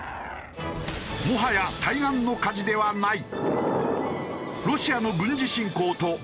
もはや対岸の火事ではない。